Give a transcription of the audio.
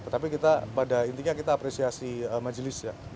tapi kita pada intinya kita apresiasi majelisnya